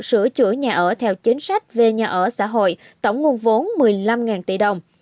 sửa chữa nhà ở theo chính sách về nhà ở xã hội tổng nguồn vốn một mươi năm tỷ đồng